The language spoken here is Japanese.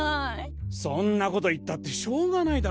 そんなこと言ったってしょうがないだろ。